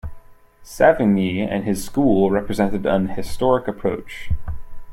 Savigny and his school represented an historical approach.